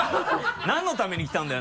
何のために来たんだよ